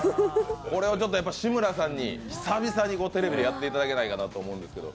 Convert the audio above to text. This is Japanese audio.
これはちょっと志村さんに久々にテレビでやっていただけないかなと思うんですけど。